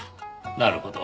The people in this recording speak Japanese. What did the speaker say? なるほど。